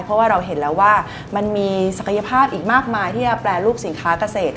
เพราะว่าเราเห็นแล้วว่ามันมีศักยภาพอีกมากมายที่จะแปรรูปสินค้าเกษตร